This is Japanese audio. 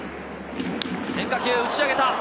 変化球、打ち上げた。